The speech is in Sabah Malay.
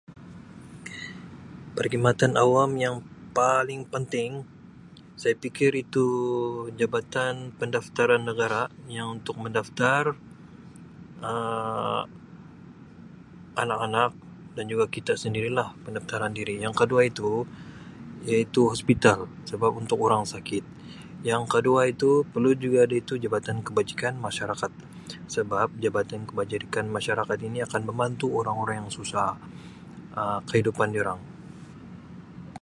Perkhidmatan awam yang paling penting saya fikir itu jabatan pendaftaran negara yang untuk mendaftar Um anak-anak dan juga kita sendiri lah pendaftaran diri yang kedua itu iaitu hospital sebab untuk orang sakit yang kedua itu perlu juga ada itu jabatan kebajikan masyarakat sebab jabatan kebajikan masyarakat ini akan membantu orang-orang yang susah Um kehidupan diorang.